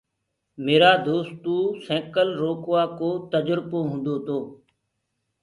ميرآ دوستو ڪوُ سيڪل روڪوآ ڪو تجربو هوُندو تو۔